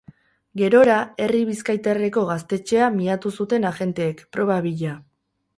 Gerora, herri bizkaitarreko gaztetxea miatu zuten agenteek, proba bila.